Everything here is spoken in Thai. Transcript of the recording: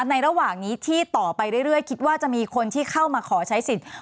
ระหว่างนี้ที่ต่อไปเรื่อยคิดว่าจะมีคนที่เข้ามาขอใช้สิทธิ์